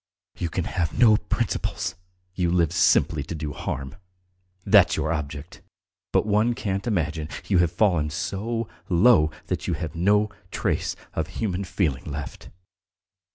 "You can have no principles; you live simply to do harm that's your object; but one can't imagine you have fallen so low that you have no trace of human feeling left!